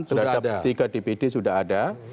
terhadap tiga dpd sudah ada